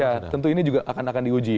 ya tentu ini juga akan diuji